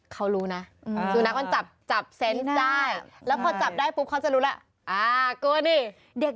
เขารู้นะสุนัขเขาจับเซวย์